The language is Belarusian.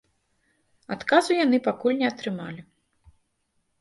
Адказу яны пакуль не атрымалі.